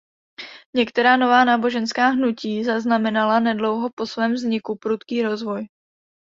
Některá nová náboženská hnutí zaznamenala nedlouho po svém vzniku prudký rozvoj.